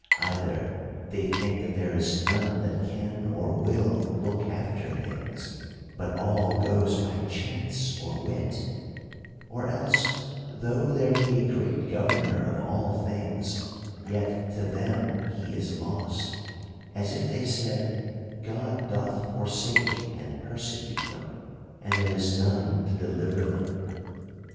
Either they think that there is none that can or will look after things, but all goes by chance or wit : or else, though there be a great Governor of all things, yet to them he is lost ; as if they said, God doth forsake and persecute them, and there is none to deliver them.